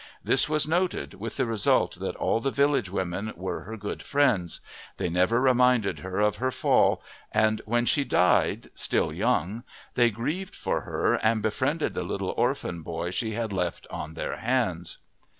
This was noted, with the result that all the village women were her good friends; they never reminded her of her fall, and when she died still young they grieved for her and befriended the little orphan boy she had left on their hands.